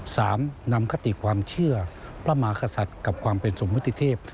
สามนำคติความเชื่อพระมาขสัตว์กับความเป็นสมวัตถิเทพ